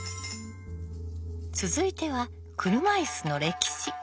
続いては車いすの歴史。